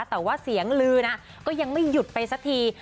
แต่ว่าเสียงลือนะก็ยังไม่หยุดไปสักที